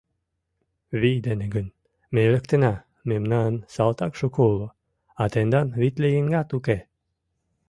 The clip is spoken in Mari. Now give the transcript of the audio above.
Вий дене гын, ме лектына: мемнан салтак шуко уло, а тендан витле еҥат уке...